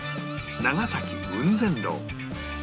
長崎雲仙楼